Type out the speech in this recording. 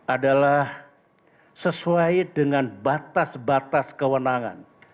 adalah sesuai dengan batas batas kewenangan